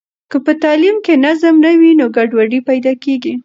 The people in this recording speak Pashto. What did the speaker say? که په تعلیم کې نظم نه وي نو ګډوډي پیدا کېږي.